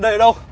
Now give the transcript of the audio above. đây ở đâu